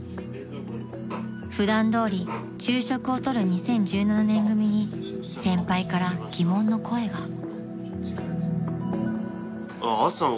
［普段どおり昼食を取る２０１７年組に先輩から疑問の声が］